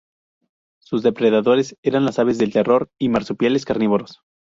Sus depredadores eran las aves del terror y marsupiales carnívoros.